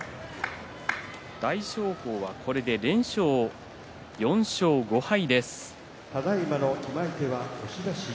大翔鵬はこれで連勝４勝５敗です。